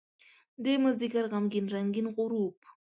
دمازدیګر غمګین رنګین غروب